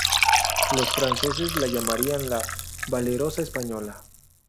Los franceses la llamarían la "valerosa española".